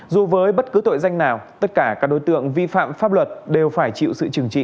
dù với bất cứ tội danh nào tất cả các đối tượng vi phạm pháp luật đều phải chịu sự trừng trị